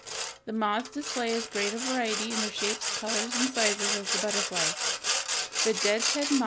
] The moths display as great a variety in their shapes, colors, and sizes as the butterflies. The death's head moth (Fig.